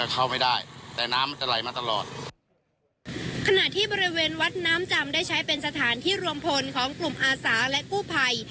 ขณะที่บริเวณวัดน้ำจำได้ใช้เป็นสถานที่รวมพลของกลุ่มอาสาและกู้ภัย